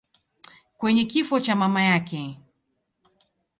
kwenye kifo cha mama yake.